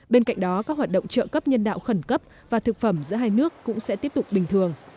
bên cạnh đó các hoạt động trợ cấp nhân đạo khẩn cấp và thực phẩm giữa hai nước cũng sẽ tiếp tục bình thường